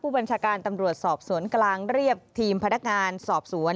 บัญชาการตำรวจสอบสวนกลางเรียบทีมพนักงานสอบสวน